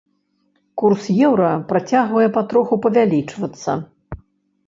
Курс еўра працягвае патроху павялічвацца.